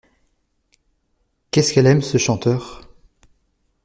Qu’est-ce qu’elle aime ce chanteur !